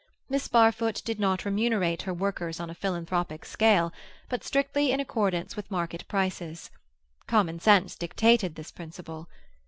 Miss Barfoot did not remunerate her workers on a philanthropic scale, but strictly in accordance with market prices; common sense dictated this principle.